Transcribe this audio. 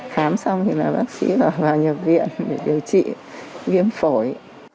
khám xong thì bác sĩ vào nhập viện để điều trị viêm phổi